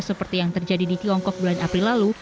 seperti yang terjadi di tiongkok bulan april lalu